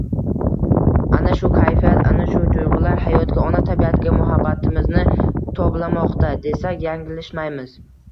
Ana shu kayfiyat, ana shu tuygʻular hayotga, ona tabiatga muhabbatimizni toblamoqda, desak yanglishmaymiz.